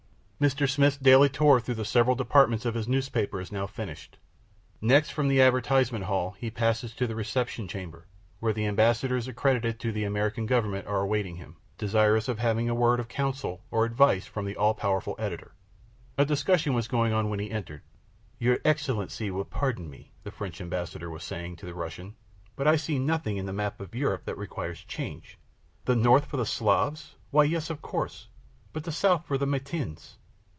Mr. Smith's daily tour through the several departments of his newspaper is now finished. Next, from the advertisement hall he passes to the reception chamber, where the ambassadors accredited to the American government are awaiting him, desirous of having a word of counsel or advice from the all powerful editor. A discussion was going on when he entered. "Your Excellency will pardon me," the French Ambassador was saying to the Russian, "but I see nothing in the map of Europe that requires change. 'The North for the Slavs?' Why, yes, of course; but the South for the Latins.